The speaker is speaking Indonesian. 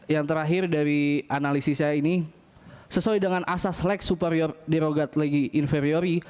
yang terakhir dari analisis saya ini sesuai dengan asas leg superior derogat legi inferiory